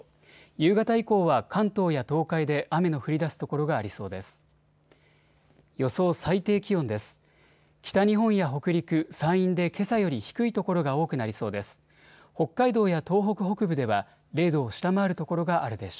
夕方以降は関東や東海で雨の降り出す所がありそうです。